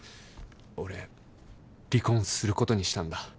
俺離婚することにしたんだ。